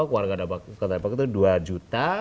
keluarga kota depok itu dua satu ratus dua puluh tiga